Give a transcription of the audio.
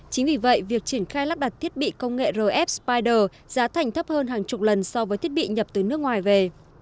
chính vì vậy việc triển khai lắp đặt thiết bị công nghệ rf spider giá thành thấp hơn hàng chục lần so với thiết bị nhập từ nước ngoài về